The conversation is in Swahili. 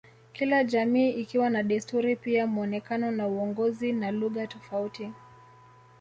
Kila jamii ikiwa na desturi pia muonekano na uongozi na lugha tofauti